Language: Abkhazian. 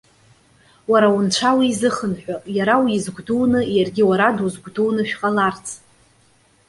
Уара унцәа уизыхынҳәы, иара уизгәдууны, иаргьы уара дузгәдууны шәҟаларц.